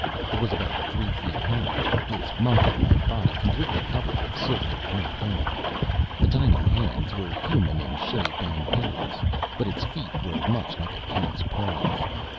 It was about three feet high, its monkey like body completely covered with silky white hair. The tiny hands were human in shape and hairless, but its feet were much like a cat's paws.